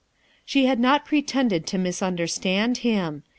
She had not pretended to misunderstand him.